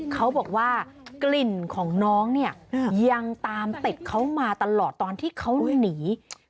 เขาบอกว่ากลิ่นของน้องเนี่ยยังตามติดเขามาตลอดตอนที่เขาหนี